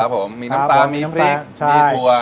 ผมมีน้ำตาลมีพริกมีถั่ว